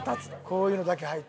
こういうのだけ履いて。